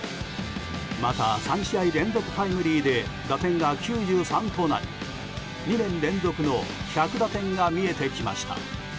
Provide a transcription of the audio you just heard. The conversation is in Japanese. また、３試合連続タイムリーで打点が９３となり２年連続の１００打点が見えてきました。